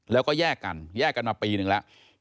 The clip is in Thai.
แล้วก็แยกกันแยกกันมาปีนึงแล้ว